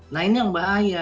nah ini yang bahaya